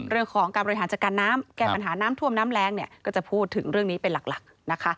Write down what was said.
เรื่องของการบริหารจัดการน้ำแก้ปัญหาน้ำท่วมน้ำแรงเนี่ยก็จะพูดถึงเรื่องนี้เป็นหลักนะคะ